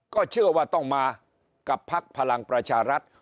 ก็เชื่อว่าต้องมากับพักพลังประชารัฐ